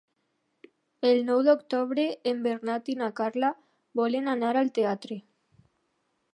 El nou d'octubre en Bernat i na Carla volen anar al teatre.